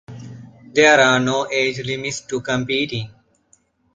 There are no age limits to competing.